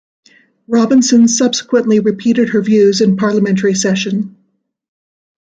Robinson subsequently repeated her views in parliamentary session.